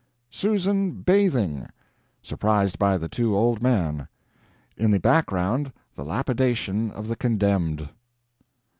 "Susan bathing, surprised by the two old man. In the background the lapidation of the condemned."